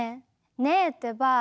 ねえってば！